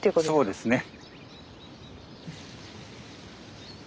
そうですね。